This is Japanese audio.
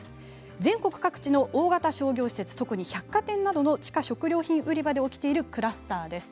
全国各地の大型商業施設特に百貨店などの地下食料品売り場で起きているクラスターです。